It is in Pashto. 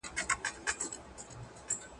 ارام ذهن مو د ژوند له ټولو فشارونو څخه ژغوري.